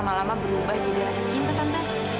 malama berubah jadi rasa cinta tante